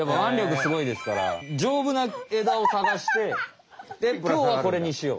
すごいですからじょうぶな枝をさがして「きょうはこれにしよう」。